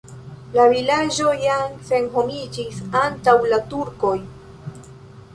La vilaĝo jam senhomiĝis antaŭ la turkoj.